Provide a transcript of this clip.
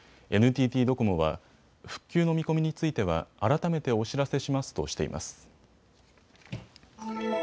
ＮＴＴドコモは復旧の見込みについては改めてお知らせしますとしています。